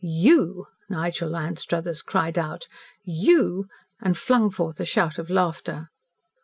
"YOU!" Nigel Anstruthers cried out. "You!" and flung forth a shout of laughter.